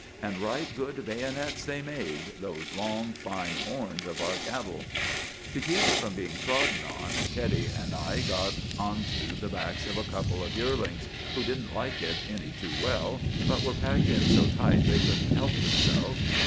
And right good bayonets they made, those long, fine horns of our cattle. "To keep from being trodden on, Teddy and I got onto the backs of a couple of yearlings, who didn't like it any too well, but were packed in so tight they couldn't help themselves.